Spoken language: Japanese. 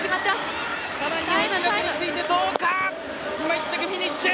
１着、フィニッシュ！